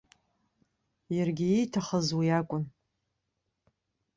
Иаргьы ииҭахыз уи акәын.